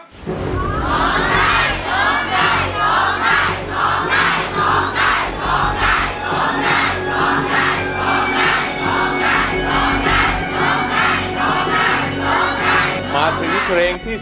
โน่งใจโน่งใจโน่งใจโน่งใจโน่งใจ